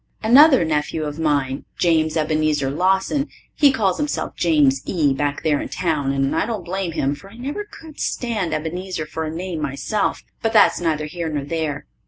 Another nephew of mine, James Ebenezer Lawson he calls himself James E. back there in town, and I don't blame him, for I never could stand Ebenezer for a name myself; but that's neither here nor there.